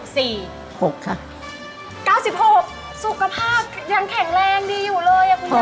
๙๖สุขภาพยังแข็งแรงดีอยู่เลยคุณยาย